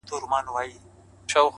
o دا شی په گلونو کي راونغاړه،